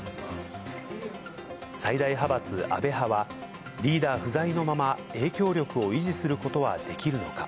最大派閥、安倍派は、リーダー不在のまま、影響力を維持することはできるのか。